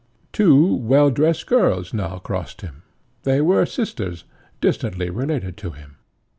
Two well dressed girls now crossed him. They were sisters, distantly related to him.